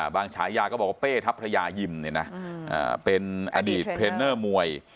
บางฉายาก็บอกว่าเป้ทัพพระยายิมเนี่ยนะเป็นอดีตเทรนเนอร์มวย